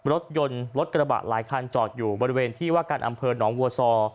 รถยนต์รถกระบะหลายคันจอดอยู่บริเวณที่ว่าการอำเภอหนองวัวซอ